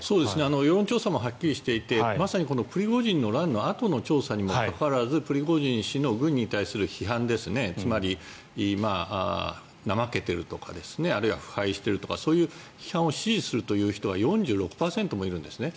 世論調査もはっきりしていてまさにプリゴジンの乱のあとの調査にもかかわらずプリゴジン氏の軍に対する批判ですねつまり怠けているとか腐敗しているとかそういう批判を支持するという人が４６％もいるんですね。